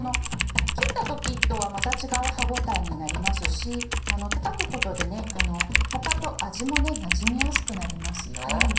切った時とはまた違う歯応えになりますしたたくことで他と味もなじみやすくなりますよ。